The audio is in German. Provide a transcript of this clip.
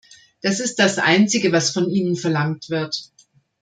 Das ist das einzige, was von Ihnen verlangt wird.